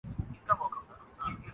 حروف کے تئیں حساس کی چھٹائی کریں